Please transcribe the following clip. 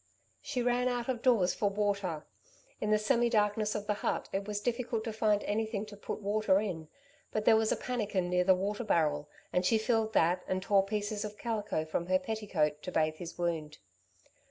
She ran out of doors for water. In the semi darkness of the hut it was difficult to find anything to put water in, but there was a pannikin near the water barrel and she filled that and tore pieces of calico from her petticoat to bathe his wound.